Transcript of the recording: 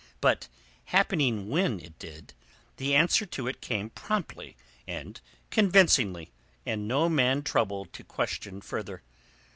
But, happening when it did, the answer to it came promptly and convincingly and no man troubled to question further.